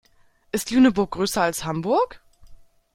Ist Lüneburg größer als Hamburg?